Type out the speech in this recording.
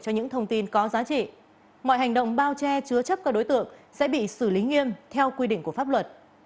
những thông tin có giá trị mọi hành động bao che chứa chấp các đối tượng sẽ bị xử lý nghiêm theo quy định của pháp luật